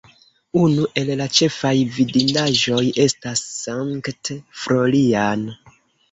Unu el la ĉefaj vidindaĵoj estas St. Florian.